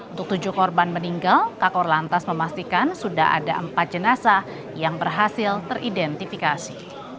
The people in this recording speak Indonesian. untuk tujuh korban meninggal kakor lantas memastikan sudah ada empat jenazah yang berhasil teridentifikasi